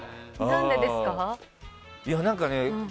何でですか？